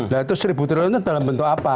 nah itu seribu triliun itu dalam bentuk apa